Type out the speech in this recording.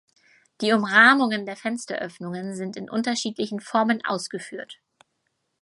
Die Umrahmungen der Fensteröffnungen sind in unterschiedlichen Formen ausgeführt.